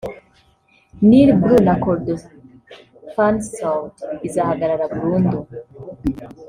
Nil-Bleu na Kordofan-Sud izahagarara burundu